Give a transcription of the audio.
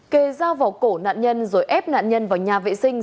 kề giao vỏ cổ nạn nhân rồi ép nạn nhân vào nhà vệ sinh